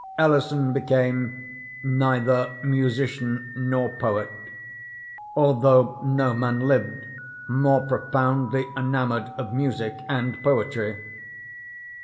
Ellison became neither musician nor poet; although no man lived more profoundly enamored of music and poetry.